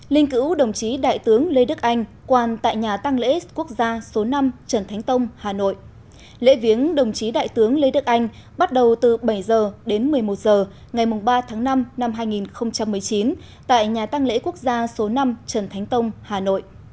lễ viếng đồng chí đại tướng lê đức anh bắt đầu từ bảy h đến một mươi một h ngày ba tháng năm năm hai nghìn một mươi chín tại nhà tăng lễ quốc gia số năm trần thánh tông hà nội